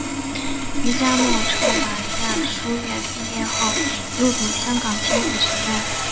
于嘉诺撒圣玛利书院毕业后入读香港浸会学院。